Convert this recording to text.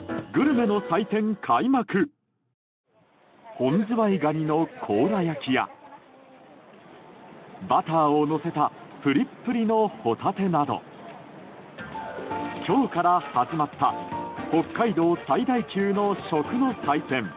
本ズワイガニの甲羅焼きやバターをのせたぷりっぷりのホタテなど今日から始まった北海道最大級の食の祭典